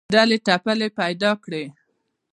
ډلې ټپلې پیدا کړې